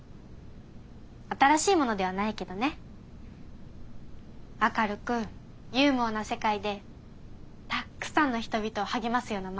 新しいものではないけどね明るくユーモアな世界でたくさんの人々を励ますような